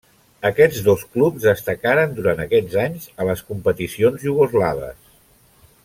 Aquests dos clubs destacaren durant aquests anys a les competicions iugoslaves.